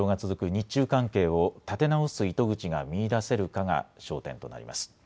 日中関係を立て直す糸口が見いだせるかが焦点となります。